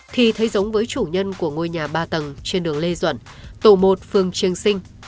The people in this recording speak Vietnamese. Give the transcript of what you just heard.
thì thấy giống với chủ nhân của ngôi nhà ba tầng trên đường lê duẩn tổ một phường triêng sinh